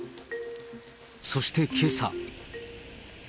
そしてけさ。